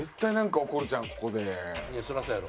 「いやそりゃそうやろ」